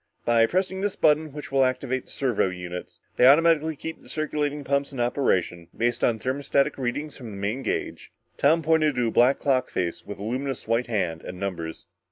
"By pressing this button which will activate the servo units. They automatically keep the circulating pumps in operation, based on thermostatic readings from the main gauge." Tom pointed to a black clock face, with a luminous white hand and numbers.